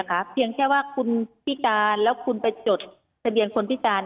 แล้วเอาใบรับรองของพิการไปจดสะเบียนคนพิการ